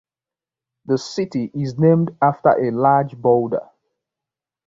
The city is named after a large boulder.